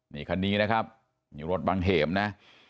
นี่คันนี้นะครับนี่รถบางเหมนะ